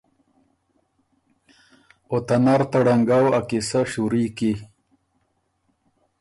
او ته نر ته ړنګؤ ا قیصۀ شُوري کی۔